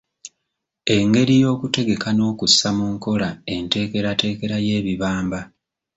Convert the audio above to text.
Engeri y'okutegeka n'okussa mu nkola enteekerateekera y'ebibamba.